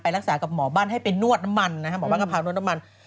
รักษากับหมอบ้านให้ไปนวดน้ำมันนะครับหมอบ้านก็พานวดน้ำมัน